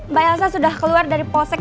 mbak elsa sudah keluar dari polsek k lima